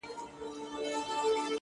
زما خوښيږي پر ماگران دى د سين تـورى!